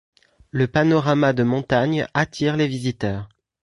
Le panorama de montagnes attirent les visiteurs.